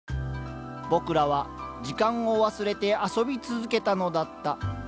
僕らは時間を忘れて遊び続けたのだった。